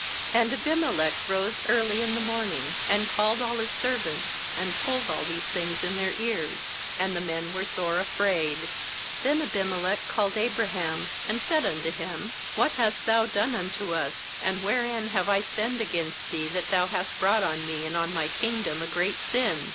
8And Abimelech rose early in the morning, and called all his servants, and told all these things in their ears; and the men were sore afraid, ^hen Abimelech called Abraham, and said unto him :' What hast thou done unto us? and wherein have I sinned against thee, that thou hast brought on me and on my kingdom a great sin?